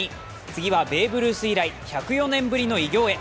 次はベーブ・ルース以来１０４年ぶりの偉業へ。